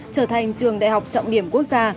trở thành trường đại học trọng điểm quốc gia